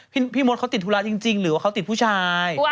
พี่มดเขาติดธุระจริงหรือว่าเขาติดผู้ชาย